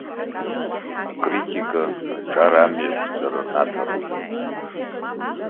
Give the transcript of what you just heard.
Акритика аҿар амҩақәҵара рнаҭароуп.